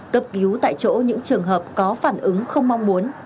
cấp cứu tại chỗ những trường hợp có phản ứng không mong muốn